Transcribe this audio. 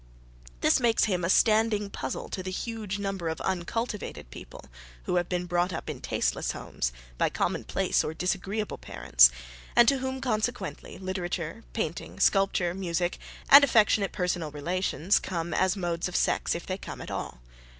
This makes him a standing puzzle to the huge number of uncultivated people who have been brought up in tasteless homes by commonplace or disagreeable parents, and to whom, consequently, literature, painting, sculpture, music, and affectionate personal relations come as modes of sex if they come at all.